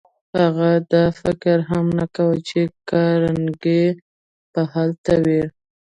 هغه دا فکر هم نه کاوه چې کارنګي به هلته وي.